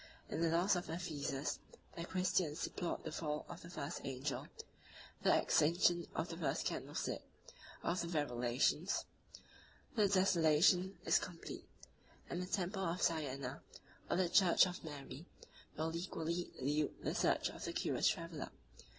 In the loss of Ephesus, the Christians deplored the fall of the first angel, the extinction of the first candlestick, of the Revelations; 45 the desolation is complete; and the temple of Diana, or the church of Mary, will equally elude the search of the curious traveller.